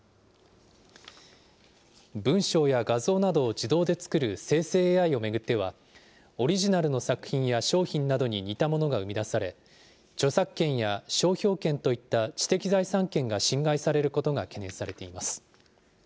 文章や画像などを自動で作る生成ＡＩを巡っては、オリジナルの作品や商品などに似たものが生み出され、著作権や商標権といった知的財産権が侵害されることが懸念されています。